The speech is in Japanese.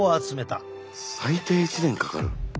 最低１年かかる。